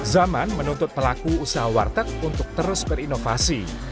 zaman menuntut pelaku usaha warteg untuk terus berinovasi